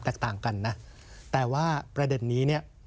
แตกต่างกันนะแต่ว่าประเด็นนี้เนี่ย